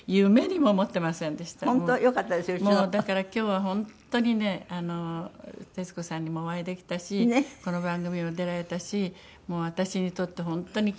もうだから今日は本当にね徹子さんにもお会いできたしこの番組にも出られたしもう私にとって本当に記念すべきで。